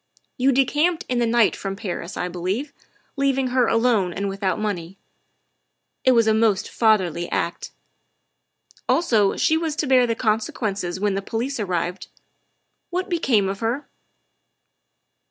You decamped in the night from Paris, I believe, leaving her alone and without money; it was a most fatherly act. Also she was to bear the conse quences when the police appeared. What became of her?"